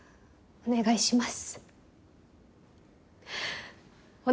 お願いします！